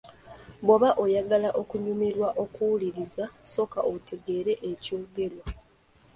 Bw'oba oyagala okunyumirwa okuwuliriza sooka otegeere ekyogerwa.